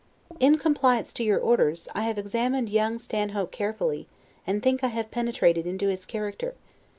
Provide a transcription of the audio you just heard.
[In compliance to your orders, I have examined young Stanhope carefully, and think I have penetrated into his character.